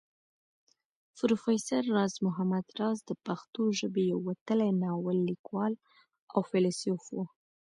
پروفېسر راز محمد راز د پښتو ژبې يو وتلی ناول ليکوال او فيلسوف وو